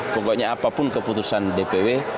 pokoknya apapun keputusan dpw